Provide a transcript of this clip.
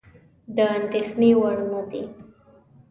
د اندېښنې وړ نه دي.